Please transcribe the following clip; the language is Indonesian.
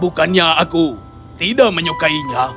bukannya aku tidak menyukainya